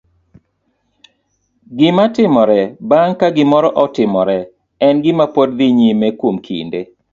Gima timore bang' ka gimoro otimore, en gima pod dhi nyime kuom kinde.